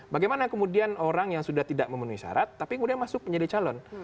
bagaimana kemudian orang yang sudah tidak memenuhi syarat tapi kemudian masuk menjadi calon